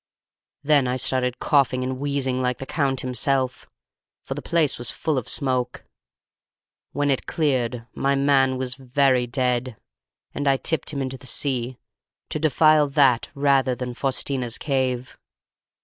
"Then I started coughing and wheezing like the Count himself, for the place was full of smoke. When it cleared my man was very dead, and I tipped him into the sea, to defile that rather than Faustina's cave.